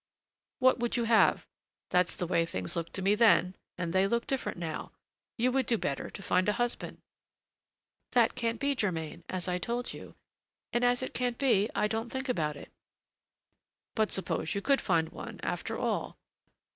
"What would you have? that's the way things looked to me then, and they look different now. You would do better to find a husband." "That can't be, Germain, as I told you; and as it can't be, I don't think about it." "But suppose you could find one, after all?